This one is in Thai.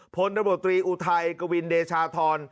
พลตอุทัยกวินเดชาธรณ์